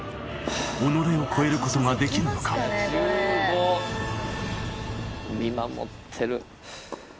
己を超えることができるのか見守ってる。